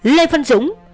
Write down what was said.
lê phân dũng